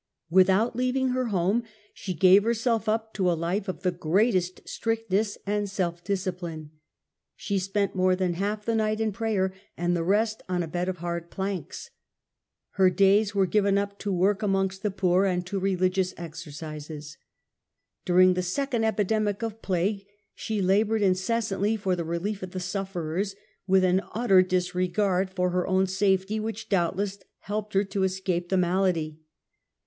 Without leaving her home, she gave herself up to a life of the greatest strictness and self discipHne. She spent more than half the night in prayer, and the rest on a bed of hard planks. Her days were given up to work amongst the poor and to rehgious exercises. During the second epidemic of plague, she laboured incessantly for the rehef of the sufferers, with an utter disregard for her own safety which doubtless helped her to escape the malady.